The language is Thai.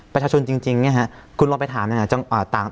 ประชาชนจริงไงฮะคุณลองไปถามยังไง